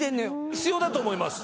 必要だと思います。